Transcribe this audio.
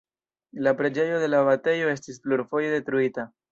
La preĝejo de la abatejo estis plurfoje detruita.